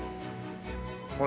ほら。